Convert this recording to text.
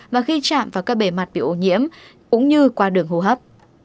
và khi chạm vào các bề mặt bị ô nhiễm cũng như qua đường hô hấp